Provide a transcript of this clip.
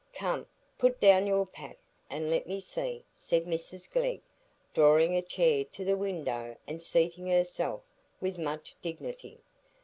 "Come, put down your pack, and let me see," said Mrs Glegg, drawing a chair to the window and seating herself with much dignity.